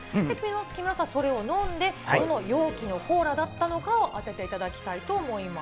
木村さん、それを飲んで、どの容器のコーラだったのかを当てていただきたいと思います。